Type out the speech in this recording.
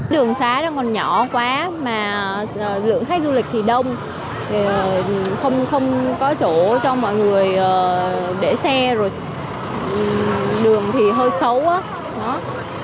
đường xá nó còn nhỏ quá mà lượng khách du lịch thì đông không có chỗ cho mọi người để xe rồi đường thì hơi xấu